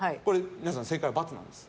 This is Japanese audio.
皆さん、正解は×なんです。